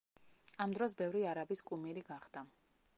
ამ დროს ბევრი არაბის კუმირი გახდა.